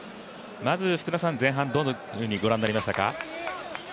まず前半どんなふうに御覧になりましたか？